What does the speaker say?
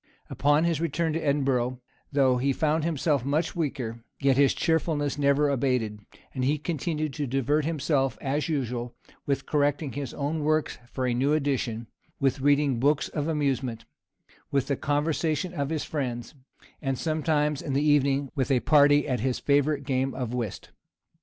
Upon his return to Edinburgh, though he found himself much weaker, yet his cheerfulness never abated, and he continued to divert himself, as usual, with correcting his own works for a new edition, with reading books of amusement, with the conversation of his friends; and, sometimes in the evening, with a party at his favorite game of whist.